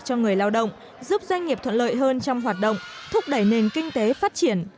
cho người lao động giúp doanh nghiệp thuận lợi hơn trong hoạt động thúc đẩy nền kinh tế phát triển